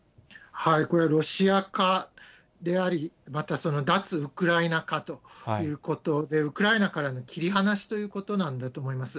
これはロシア化であり、また脱ウクライナ化ということで、ウクライナからの切り離しということなんだと思います。